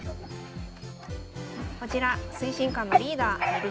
こちら推進課のリーダー。